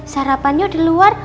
sarapannya udah luar